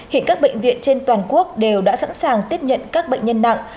hiện các bệnh viện trên toàn quốc đều đã sẵn sàng tiếp nhận các bệnh nhân nặng